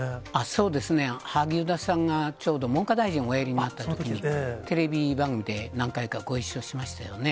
そうですね、萩生田さんがちょうど文科大臣をおやりになったときに、テレビ番組で何回かご一緒しましたよね。